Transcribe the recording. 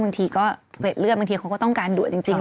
บางทีก็เกล็ดเลือดบางทีเขาก็ต้องการดุจริง